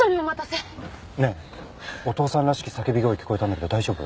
ねえお父さんらしき叫び声聞こえたんだけど大丈夫？